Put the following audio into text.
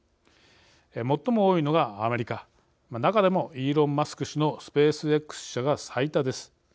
最も多いのがアメリカ中でも、イーロン・マスク氏のスペースＸ社が最多です。